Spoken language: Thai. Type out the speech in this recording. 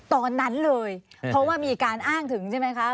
ตอนนั้นเลยเพราะว่ามีการอ้างถึงใช่ไหมคะ